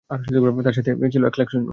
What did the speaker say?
তার সাথে ছিল এক লাখ সৈন্য।